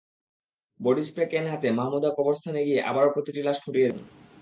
Body spray can হাতে মাহমুদা কবরস্থানে গিয়ে আবারও প্রতিটি লাশ খুঁটিয়ে দেখেন।